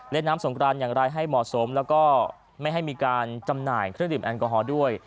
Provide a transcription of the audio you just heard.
เล่นน้ำสงกรานอย่างไรให้เหมาะสมแล้วก็ไม่ให้มีการจำหน่ายเครื่องดื่มแอลกอฮอล์ด้วย